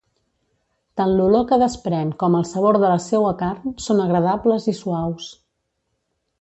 Tant l'olor que desprèn com el sabor de la seua carn són agradables i suaus.